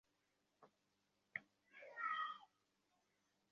সন্ধ্যার সময় কী যেন বিন্দু খাইয়া ছিল, তাই এখন মরিয়া যাইতেছে।